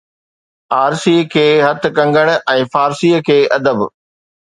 ارسي کي هٿ ڪنگڻ ۽ فارسيءَ کي ادب